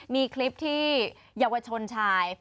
มีคลิปที่เยาวชนชาย